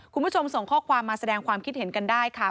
คุณผู้ชมส่งข้อความมาแสดงความคิดเห็นกันได้ค่ะ